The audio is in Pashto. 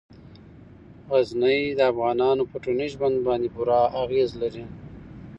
غزني د افغانانو په ټولنیز ژوند باندې پوره اغېز لري.